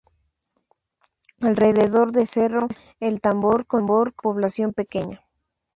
Alrededor de Cerro El Tambor con una población pequeña.